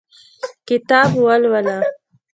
کتاب ولوله